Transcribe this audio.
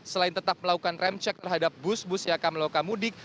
selain tetap melakukan rem cek terhadap bus bus yang akan melakukan mudik